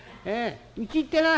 うち行ってな。